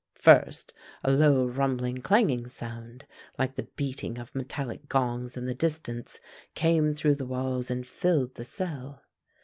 First a low, rumbling, clanging sound, like the beating of metallic gongs in the distance, came through the walls and filled the cell.